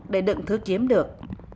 để đựng thứ kiếm được